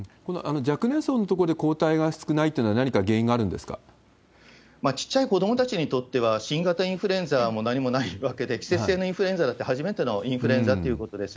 若年層の所で抗体が少ないってのは、何か原因があるんですか小っちゃい子どもたちにとっては、新型インフルエンザも、もう何もないわけで、季節性のインフルエンザだって初めてのインフルエンザっていうことです。